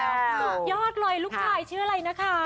สุดยอดเลยลูกชายชื่ออะไรนะคะ